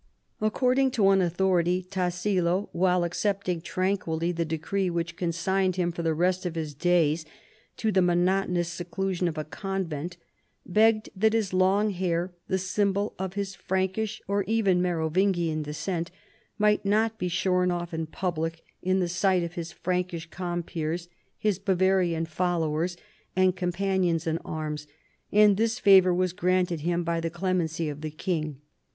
According to one authority, Tassilo, while accept ing tranquilly the decree which consigned him for the rest of his tlays to the monotonous seclusion of a convent, begged that his long hair, the symbol of his Frankish or even Merovingian descent, might not be shorn off in public, in the sight of his Frankish compeers, his Bavarian followers and companions in arms, and tliis favor was granted him by the clem ency of the king.